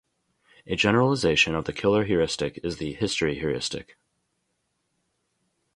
A generalization of the killer heuristic is the "history heuristic".